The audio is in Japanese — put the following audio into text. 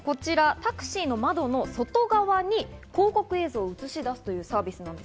タクシーの窓の外側に広告映像を映しだすというサービス。